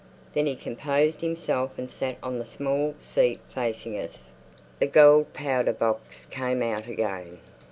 Then he composed himself and sat on the small seat facing us. The gold powder box came out again.